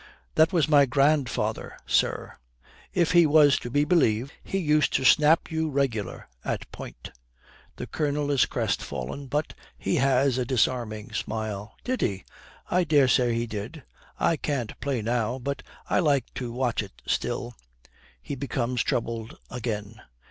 'That was my grandfather, sir. If he was to be believed, he used to snap you regular at point.' The Colonel is crestfallen, but he has a disarming smile. 'Did he? I daresay he did. I can't play now, but I like to watch it still.' He becomes troubled again.